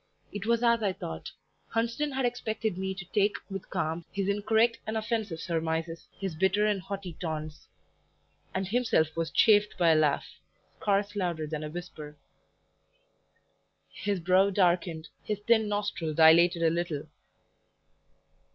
It was as I thought: Hunsden had expected me to take with calm his incorrect and offensive surmises, his bitter and haughty taunts; and himself was chafed by a laugh, scarce louder than a whisper. His brow darkened, his thin nostril dilated a little.